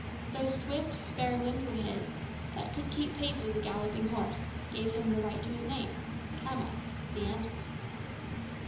Those swift, spare limbs of his, that could keep pace with a galloping horse, gave him the right to his name, Khama the Antelope.